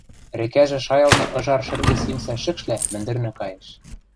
Рекӓжӹ шайылны ыжар шӹргӹ симсӹ шӹкшлӓ мӹндӹрнӹ каеш.